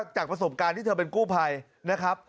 จากประสบการณ์ที่เธอเป็นกู้ภัยนะครับ